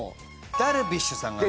ダルビッシュさんがね。